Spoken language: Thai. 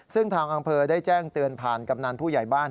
ซึ่งทางอำเภอได้แจ้งเตือนผ่านกำนันผู้ใหญ่บ้าน